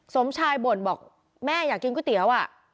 สมชายบ่นบอกแม่อยากกินก๋วยเตี๋ยวอ่ะ